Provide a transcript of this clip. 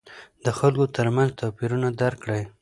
د خلکو ترمنځ توپیرونه درک کړئ.